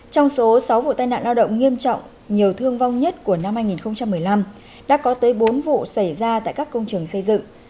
trong số sáu vụ tai nạn lao động nghiêm trọng nhiều thương vong nhất của năm hai nghìn một mươi năm đã có tới bốn vụ xảy ra tại các công trường xây dựng